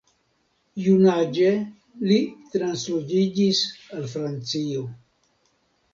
Junaĝe li transloĝiĝis al Francio.